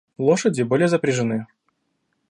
Лошади были запряжены.